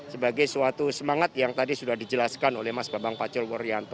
sebagai suatu semangat yang tadi sudah dijelaskan oleh mas bambang pacul woryanto